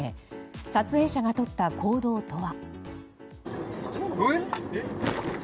撮影者がとった行動とは。